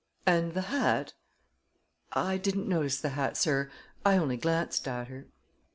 "And the hat?" "I didn't notice the hat, sir. I only glanced at her."